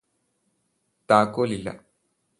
താക്കോല് ഇല്ല